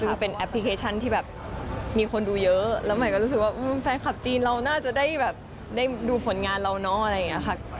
ซึ่งเป็นแอปพลิเคชันที่แบบมีคนดูเยอะแล้วใหม่ก็รู้สึกว่าแฟนคลับจีนเราน่าจะได้แบบได้ดูผลงานเราเนอะอะไรอย่างนี้ค่ะ